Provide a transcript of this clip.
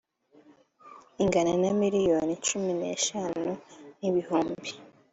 ingana na miliyoni cumi n eshanu n ibihunbi